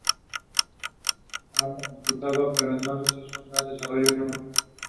The notochaetae are about as thick as the neurochaetae.